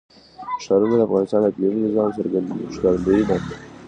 ښارونه د افغانستان د اقلیمي نظام ښکارندوی ده.